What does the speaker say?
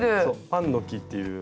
パンの木っていう。